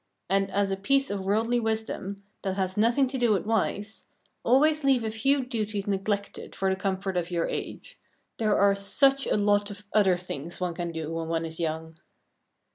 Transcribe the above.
And as a piece of worldly wisdom, that has nothing to do with wives, always leave a few duties neglected for the comfort of your age. There are such a lot of other things one can do when one is young.